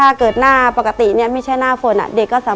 ในแคมเปญพิเศษเกมต่อชีวิตโรงเรียนของหนู